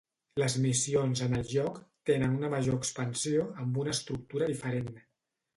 Les missions en el joc tenen una major expansió, amb una estructura diferent.